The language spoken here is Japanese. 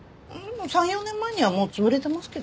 ３４年前にはもう潰れてますけど。